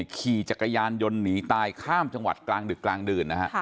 ขี่จักรยานยนต์หนีตายข้ามจังหวัดกลางดึกกลางดื่นนะฮะ